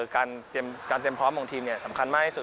การเต็มพร้อมของทีมเนี่ยสำคัญมากที่สุด